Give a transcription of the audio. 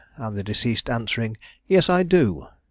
and the deceased answering, "Yes, I do."